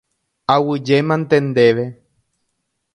Aguyjémante ndéve.